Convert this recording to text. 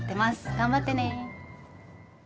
頑張ってね。